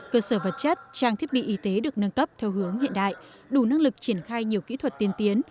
cơ sở vật chất trang thiết bị y tế được nâng cấp theo hướng hiện đại đủ năng lực triển khai nhiều kỹ thuật tiên tiến